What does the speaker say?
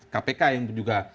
kpk yang juga